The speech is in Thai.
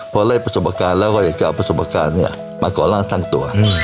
พอได้ประสบการณ์แล้วก็อยากจะเอาประสบการณ์มาก่อร่างสร้างตัว